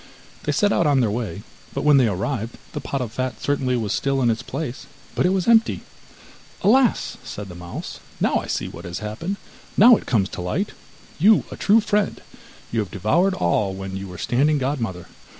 They set out on their way, but when they arrived, the pot of fat certainly was still in its place, but it was empty. 'Alas!' said the mouse, 'now I see what has happened, now it comes to light! You are a true friend! You have devoured all when you were standing godmother.